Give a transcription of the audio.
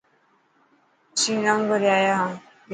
اسين نئوي گھري آئي گيا.